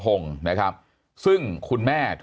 มีความรู้สึกว่า